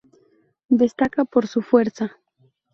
Destaca por su fuerza.